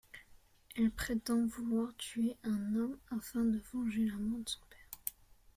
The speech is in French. Elle prétend vouloir tuer un homme afin de venger la mort de son père.